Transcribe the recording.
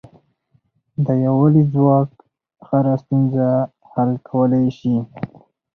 د یووالي ځواک هره ستونزه حل کولای شي.